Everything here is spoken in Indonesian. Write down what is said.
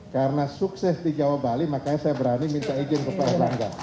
karena sukses di jawa bali makanya saya berani minta izin ke pak erlangga